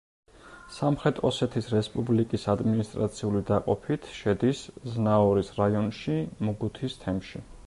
სამხრეთ ოსეთის რესპუბლიკის ადმინისტრაციული დაყოფით შედის ზნაურის რაიონში, მუგუთის თემში.